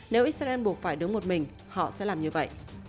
nếu israel buộc phải đứng một mình họ sẽ làm như vậy